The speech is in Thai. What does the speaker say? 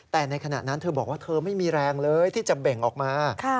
แต่ในขณะนั้นเธอบอกว่าเธอไม่มีแรงเลยที่จะเบ่งออกมา